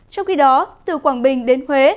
trong khi đó từ quảng bình đến huế